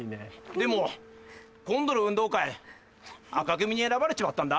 でも今度の運動会赤組に選ばれちまったんだ。